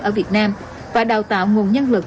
ở việt nam và đào tạo nguồn nhân lực